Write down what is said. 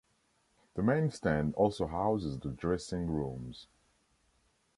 The main stand also houses the dressing rooms.